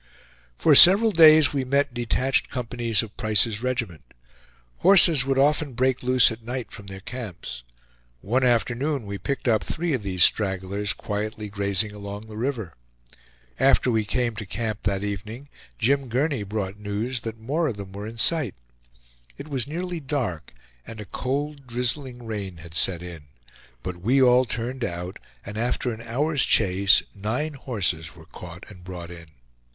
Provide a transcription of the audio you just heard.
For several days we met detached companies of Price's regiment. Horses would often break loose at night from their camps. One afternoon we picked up three of these stragglers quietly grazing along the river. After we came to camp that evening, Jim Gurney brought news that more of them were in sight. It was nearly dark, and a cold, drizzling rain had set in; but we all turned out, and after an hour's chase nine horses were caught and brought in.